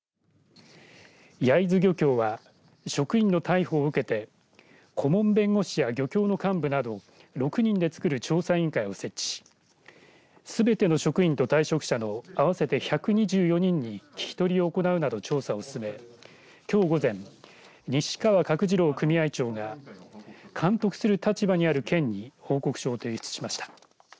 焼津漁協は職員の逮捕を受け顧問弁護士や漁協の幹部など６人でつくる調査委員会を設置しすべての職員と退職者の合わせて１２４人に聞き取りを行うなど調査を進めきょう午前、西川角次郎組合長が監督する立場にある県に報告書を提出しました。